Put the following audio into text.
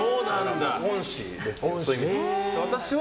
恩師です、そういう意味では。